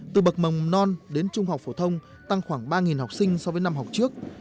từ bậc mầm non đến trung học phổ thông tăng khoảng ba học sinh so với năm học trước